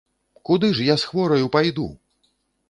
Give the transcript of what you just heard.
Куды ж я з хвораю пайду!